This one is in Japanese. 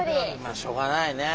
しょうがないね。